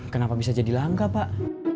kenapa bisa jadi langka pak